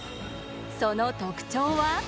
その特徴は。